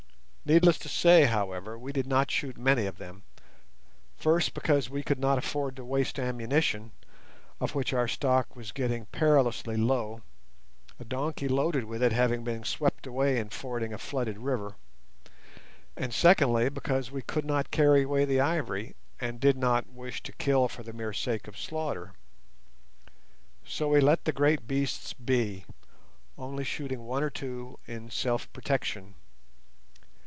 Needless to say, however, we did not shoot many of them, first because we could not afford to waste ammunition, of which our stock was getting perilously low, a donkey loaded with it having been swept away in fording a flooded river; and secondly, because we could not carry away the ivory, and did not wish to kill for the mere sake of slaughter. So we let the great beasts be, only shooting one or two in self protection.